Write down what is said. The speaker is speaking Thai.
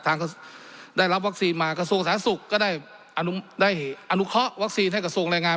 ได้รับวัคซีนมากระทรวงสาธารณสุขก็ได้อนุเคราะห์วัคซีนให้กระทรวงแรงงาน